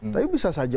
tapi bisa saja